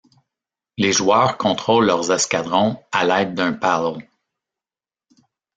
Les joueurs contrôles leurs escadrons à l'aide d'un paddle.